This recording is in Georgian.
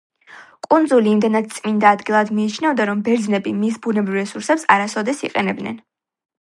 კუნძული იმდენად წმინდა ადგილად მიიჩნეოდა, რომ ბერძნები მის ბუნებრივ რესურსებს არასოდეს იყენებდნენ.